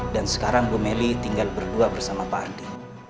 dan sekarang bu meli tinggal berdua bersama pak ardi